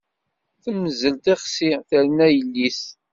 Temzel tixsi, terna yelli-s.